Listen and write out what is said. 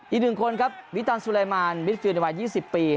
อีกหนึ่งคนครับวิตันซูไลมานมิสฟิลในวัย๒๐ปี